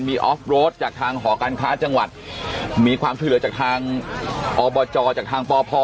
มีออฟโรดจากทางหอการค้าจังหวัดมีความช่วยเหลือจากทางอบจจากทางปพ